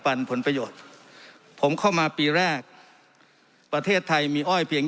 ผลประโยชน์ผมเข้ามาปีแรกประเทศไทยมีอ้อยเพียง